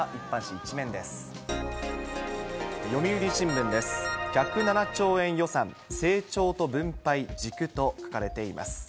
１０７兆円予算、成長と分配、軸と書かれています。